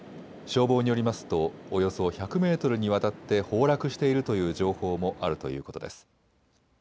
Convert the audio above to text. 消防によりますとおよそ１００メートルにわたって崩落しているという情報もあるということです。